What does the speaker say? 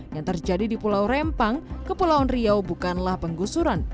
yang terjadi di pulau rempang ke pulau nriau bukanlah penggusuran